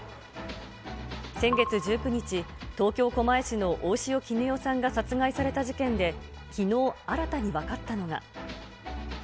先月１９日、東京・狛江市の大塩衣与さんが殺害された事件で、きのう新たに分かったのが。